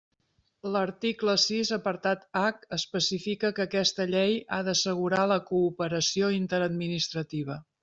L'article sis apartat hac especifica que aquesta llei ha d'assegurar la cooperació interadministrativa.